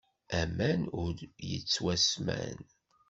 Aman ur yettwasswan.